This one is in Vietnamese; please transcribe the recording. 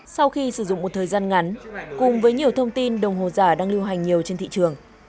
sau khi sử dụng một thời gian ngắn cùng với nhiều thông tin đồng hồ giả đang lưu hành nhiều trên thị trường